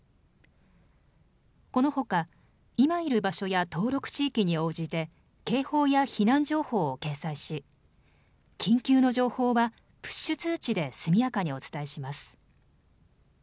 このほか、今いる場所や登録地域に応じて警報や避難情報を掲載し緊急の情報はプッシュ通知で速やかにお伝えします。